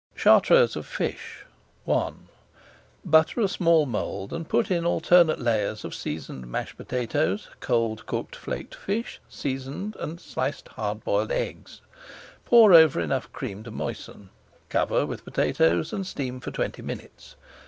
CHARTREUSE OF FISH I Butter a small mould and put in alternate layers of seasoned mashed potatoes, cold cooked flaked fish, seasoned, and sliced hard boiled eggs. Pour over enough cream to moisten, cover with potatoes and steam for twenty minutes.